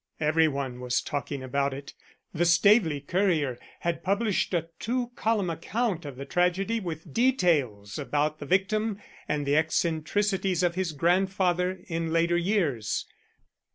Every one was talking about it. The Staveley Courier had published a two column account of the tragedy with details about the victim and the eccentricities of his grandfather in later years.